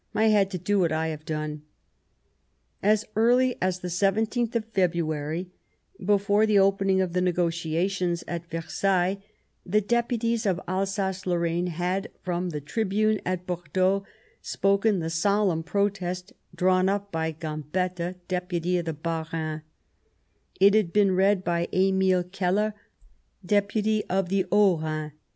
I had to do what I have done." As early as the 17th of February, before the opening of the negotiations at Versailles, the Deputies of Alsace Lorraine had, from the Deputies ^^^ tribune at Bordeaux, spoken the of Alsace solemn protest drawn up by Gambetta, Deputy of the Bas Rhin ; it had been read by ;^mile Keller, Deputy of the Haut Rhin.